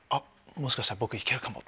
もしかしたら僕いけるかも！